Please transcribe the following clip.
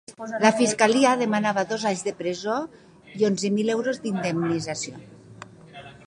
La fiscalia demanava dos anys de presó i onzen mil euros d’indemnització.